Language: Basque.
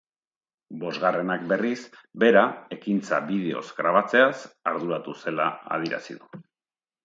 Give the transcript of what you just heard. Bosgarrenak, berriz, bera ekintza bideoz grabatzeaz arduratu zela adierazi du.